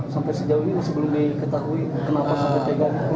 sampai sejauh ini sebelum diketahui kenapa seperti itu